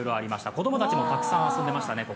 子供たちもたくさんここで遊んでましたね。